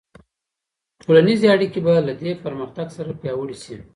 ټولنیزې اړیکې به له دې پرمختګ سره پیاوړې سي.